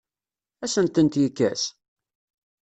Ad asen-tent-yekkes?